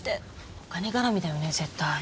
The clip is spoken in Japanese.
お金絡みだよね絶対。